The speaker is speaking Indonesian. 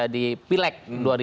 di pilek dua ribu dua puluh